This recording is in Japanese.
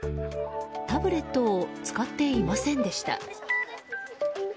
タブレットを使っていませんでした。